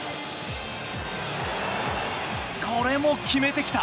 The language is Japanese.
これも決めてきた！